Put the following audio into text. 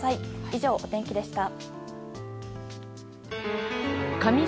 以上、お天気でした。